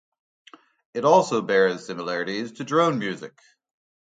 It also bears similarities to drone music.